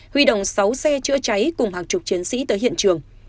huy động sáu xe chữa cháy cùng hàng chục chiến sĩ tới hiện trường